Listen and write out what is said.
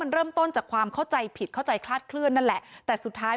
เออหนุ่มนั้นบอกว่าเอ้านึงบอกแปดได้หรอ